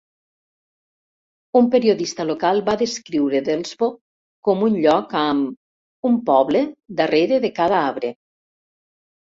Un periodista local va descriure Delsbo com un lloc amb "un poble darrere de cada arbre".